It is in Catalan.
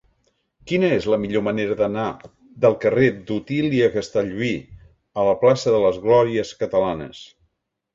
Quina és la millor manera d'anar del carrer d'Otília Castellví a la plaça de les Glòries Catalanes?